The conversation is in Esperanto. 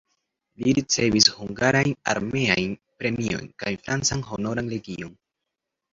Li ricevis hungarajn armeajn premiojn kaj francan Honoran legion.